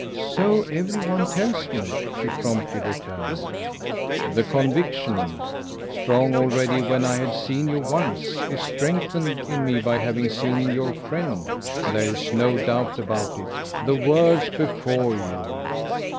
"So every one tells me," she promptly returned. "The conviction strong already when I had seen you once is strengthened in me by having seen your friend. There's no doubt about it. The world's before you."